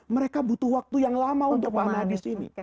mereka butuh waktu yang lama untuk memanah hadis